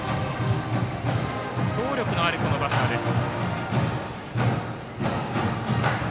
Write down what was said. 総力のあるバッターです。